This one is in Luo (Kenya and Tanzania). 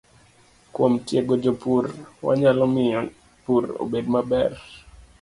Kuom tiego jopur, wanyalo miyo pur obed maber